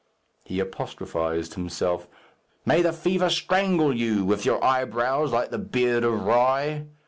He apostrophized himself, "May the fever strangle you, with your eyebrows like the beard of rye."